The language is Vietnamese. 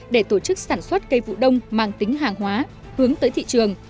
để tổ chức sản xuất cây vụ đông mang tính hàng hóa hướng tới thị trường